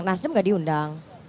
nasdem nggak diundang